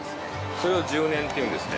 それを揉捻っていうんですね。